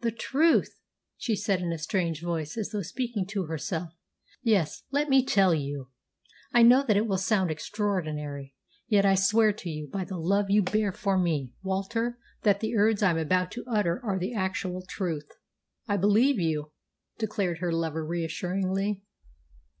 "The truth!" she said, in a strange voice as though speaking to herself. "Yes, let me tell you! I know that it will sound extraordinary, yet I swear to you, by the love you bear for me, Walter, that the words I am about to utter are the actual truth." "I believe you," declared her lover reassuringly.